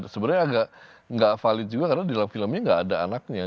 sebenarnya tidak valid juga karena di dalam filmnya tidak ada anaknya